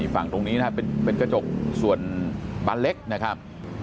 ฝั่งตรงนี้นะครับเป็นกระจกส่วนบานเล็กนะครับ